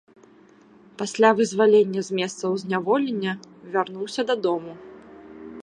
Пасля вызвалення з месцаў зняволення вярнуўся дадому.